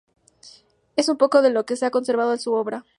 Es poco lo que se ha conservado de su obra.